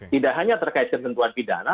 tidak hanya terkait ketentuan pidana